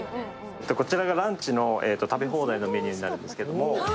こちらがランチの食べ放題のメニューになるんですけれども。